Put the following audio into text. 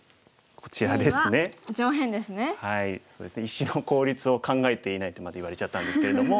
「石の効率を考えていない」とまで言われちゃったんですけれども。